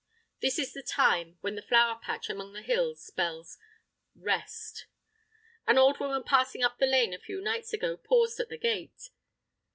This is the time when the flower patch among the hills spells REST. An old woman passing up the lane a few nights ago paused at the gate.